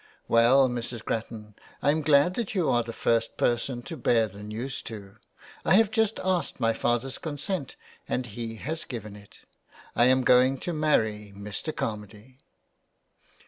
" Well, Mrs. Grattan, I am glad that you are the first person to bear the news to. I have just asked my father's consent and he has given it. I am going to marry Mr. Carmady.''